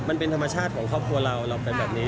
มันเป็นธรรมชาติของครอบครัวเราเราเป็นแบบนี้